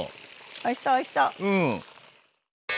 おいしそうおいしそう！